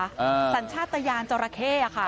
อ่าสัญชาตยานเจ้าละเข้อะค่ะ